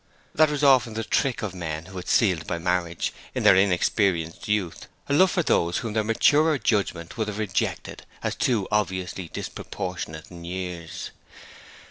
That was often the trick of men who had sealed by marriage, in their inexperienced youth, a love for those whom their maturer judgment would have rejected as too obviously disproportionate in years.